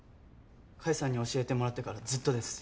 甲斐さんに教えてもらってからずっとです。